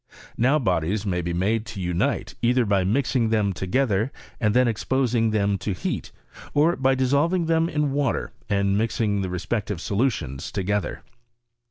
Now bodies may be made to unite, either by raising them together, and then exposing them to heat, or by dissolving them in water and mixing the respec tive solutions together.